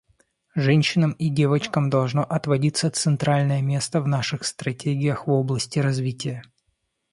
Женщинам и девочкам должно отводиться центральное место в наших стратегиях в области развития.